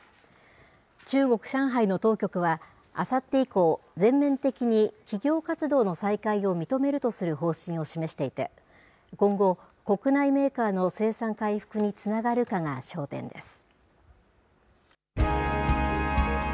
中国・上海の当局は、あさって以降、全面的に企業活動の再開を認めるとする方針を示していて、今後、国内メーカーの生産回復につながるかが焦点です。